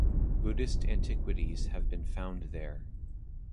Buddhist antiquities have been found there.